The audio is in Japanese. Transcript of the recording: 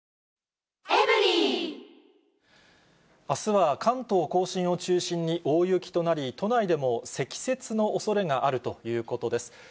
あすは関東甲信を中心に大雪となり、都内でも積雪のおそれがあるということです。